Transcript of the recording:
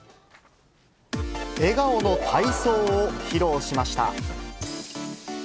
笑顔の体操を披露しました。